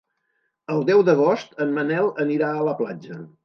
El deu d'agost en Manel anirà a la platja.